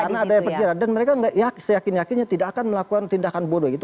karena ada efek jerah dan mereka seyakin yakinnya tidak akan melakukan tindakan bodoh gitu